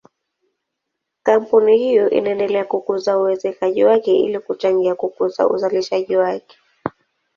Kampuni hiyo inaendelea kukuza uwekezaji wake ili kuchangia kukuza uzalishaji wake.